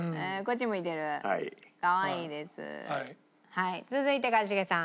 はい続いて一茂さん。